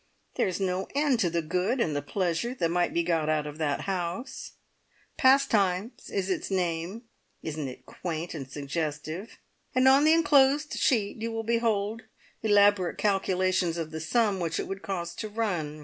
There's no end to the good and the pleasure that might be got out of that house. `Pastimes' is its name; isn't it quaint and suggestive? And on the enclosed sheet you will behold elaborate calculations of the sum which it would cost to run.